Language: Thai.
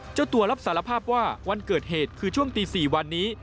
เจ้าตัวรับสารภาพว่าวันเกิดเหตุคือช่วงตี๔วันนี้